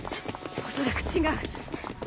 恐らく違う。